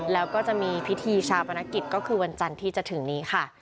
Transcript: แล้วก็จะมีพิธีชาปนกิจก็คือวันจันทร์ที่จะถึงนี้ค่ะ